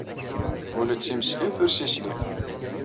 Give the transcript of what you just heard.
Ula d timesliwt ur as-yesli.